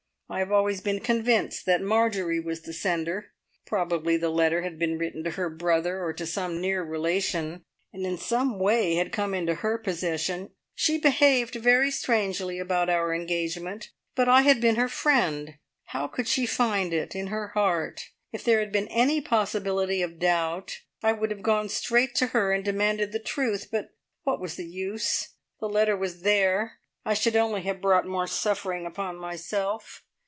I have always been convinced that Marjorie was the sender. Probably the letter had been written to her brother, or to some near relation, and in some way had come into her possession. She behaved very strangely about our engagement. But I had been her friend how she could find it in her heart! If there had been any possibility of doubt I would have gone straight to her, and demanded the truth, but what was the use? The letter was there. I should only have brought more suffering upon myself.